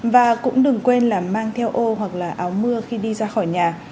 và cũng đừng quên là mang theo ô hoặc là áo mưa khi đi ra khỏi nhà